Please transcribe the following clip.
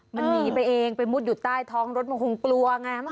หนีไปเองมุดอยู่ใต้ท้องรถมันคงกลัวเนี่ย